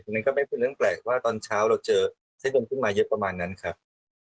นั่นก็ไม่เป็นเรื่องแปลกว่าตอนเช้าเราเจอเส้นลมขึ้นมาเยอะประมาณนั้นครับ